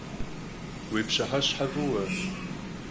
Vui pş'ıheşhe f'ıue!